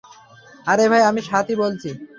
আরে ভাই, আমি সাতই বলছি।